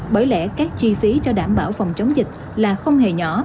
bởi lẽ các chi phí cho đảm bảo phòng chống dịch là không hề nhỏ